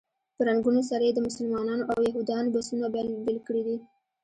په رنګونو سره یې د مسلمانانو او یهودانو بسونه بېل کړي دي.